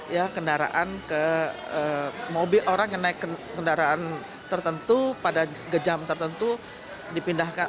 ya kendaraan ke mobil orang yang naik kendaraan tertentu pada jam tertentu dipindahkan